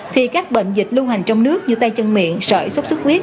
thì các bệnh dịch lưu hành trong nước như tay chân miệng sợi sốt sức huyết